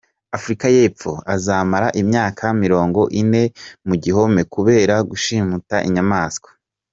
Afurika y’Epfo Azamara imyaka mirongo ine mu gihome kubera gushimuta inyamaswa